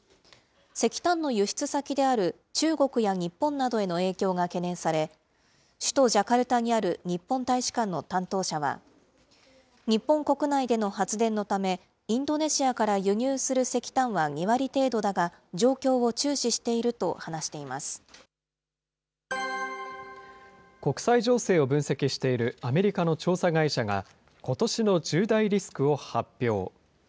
石炭の輸出先である中国や日本などへの影響が懸念され、首都ジャカルタにある日本大使館の担当者は、日本国内での発電のため、インドネシアから輸入する石炭は２割程度だが、状況を注視してい国際情勢を分析しているアメリカの調査会社が、ことしの１０大リスクを発表。